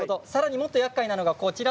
もっと、やっかいなのが。